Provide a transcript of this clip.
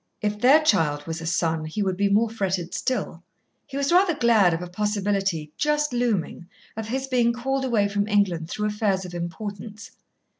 If their child was a son, he would be more fretted still. He was rather glad of a possibility, just looming, of his being called away from England through affairs of importance.